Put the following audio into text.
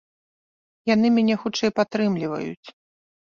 Яны мяне хутчэй падтрымліваюць.